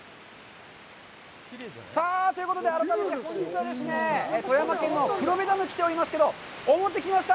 さあ、ということで改めて、本日はですね、富山県の黒部ダムに来ておりますけど、表、来ました。